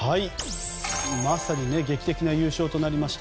まさに劇的な優勝となりました。